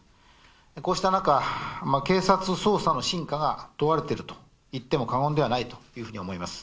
こうした中、警察捜査の真価が問われていると言っても、過言ではないというふうに思います。